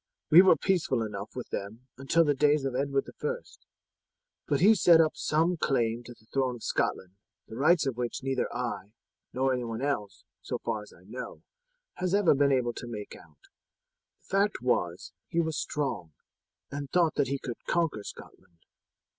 We were peaceful enough with them until the days of Edward I; but he set up some claim to the throne of Scotland, the rights of which neither I nor anyone else, so far as I know, have ever been able to make out. The fact was he was strong, and thought that he could conquer Scotland.